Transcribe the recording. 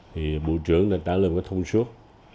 thì bộ trưởng đã trả lời một cái thông suốt